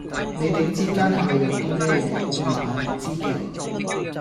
你哋之間係咪有啲咩嘢,而我唔知嘅?